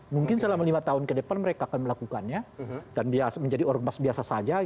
mungkin selama lima tahun ke depan mereka akan melakukannya dan dia menjadi ormas biasa saja